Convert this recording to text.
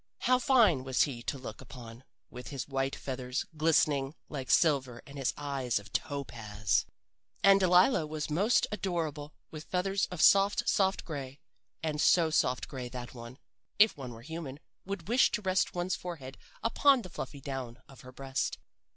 How fine was he to look upon, with his white feathers glistening like silver and his eyes of topaz! "And Delilah was most adorable with feathers of soft, soft gray a so soft gray that one, if one were human, would wish to rest one's forehead upon the fluffy down of her breast.